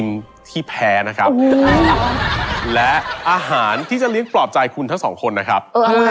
ไม่ให้เหมือนเป็นแตกนะครับ